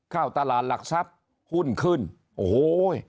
เข้าตลาดหลักทรัพย์หุ้นขึ้นโอ้โห